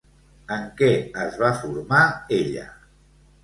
En què es va formar ella?